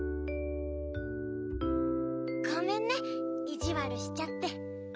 ごめんねいじわるしちゃって。